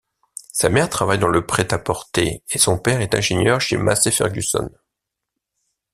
Sa mère travaille dans le prêt-à-porter et son père est ingénieur chez Massey Ferguson.